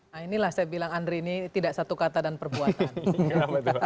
nah inilah saya bilang andri ini tidak satu kata dan perbuatan